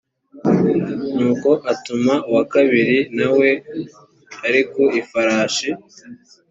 nuko atuma uwa kabiri na we ari ku ifarashi